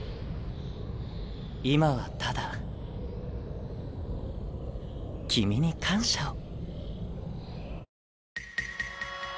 今はただ君に感謝を。